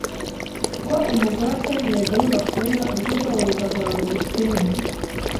kuko umugore atamenyaga ayo bakorera, urugo rwabo rugahorana ubukene,